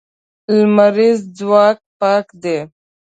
لمریز ځواک پاک دی.